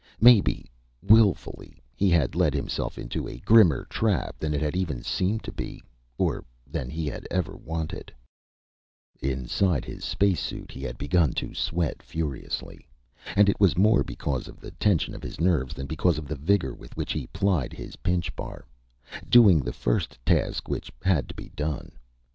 Maybe, willfully, he had led himself into a grimmer trap than it had even seemed to be or than he had ever wanted.... Inside his space suit, he had begun to sweat furiously. And it was more because of the tension of his nerves than because of the vigor with which he plied his pinchbar, doing the first task which had to be done.